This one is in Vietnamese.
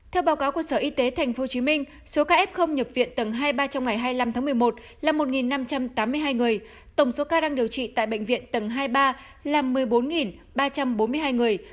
theo báo cáo của sở y tế tp hcm số ca f không nhập viện tầng hai ba trong ngày hai mươi năm tháng một mươi một là một năm trăm tám mươi hai người tổng số ca đang điều trị tại bệnh viện tầng hai mươi ba là một mươi bốn ba trăm bốn mươi hai người